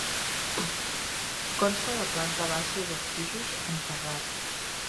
Consta de planta baixa i dos pisos, amb terrat.